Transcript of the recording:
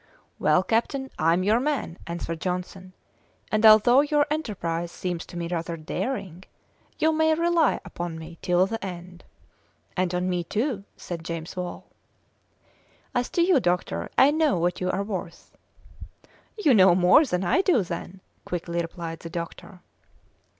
"Well, captain, I'm your man," answered Johnson, "and although your enterprise seems to me rather daring, you may rely upon me till the end." "And on me too," said James Wall. "As to you, doctor, I know what you are worth." "You know more than I do, then," quickly replied the doctor.